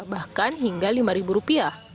bahkan hingga rp lima